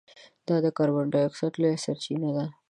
دا د کاربن ډای اکسایډ لویه سرچینه ده.